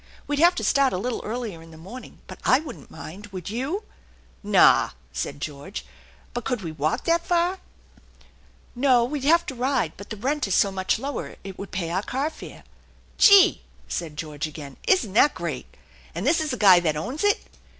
We'd have to start a little earlier in the morning ; but I wouldn't mind, would you ?"" Naw !" said George, " but could we walk that far ?"" No, we'd have to ride, but the rent is so much lower it would pay our carfare." " Gee !" said George again, " isn't that great ? And is this the guy that owns it